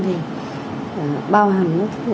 thì bao hẳn